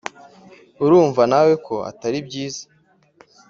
urumva na we ko ataribyiza